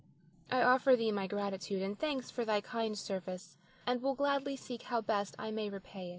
I offer thee my gratitude and thanks for thy kind service, and will gladly seek how best I may repay it.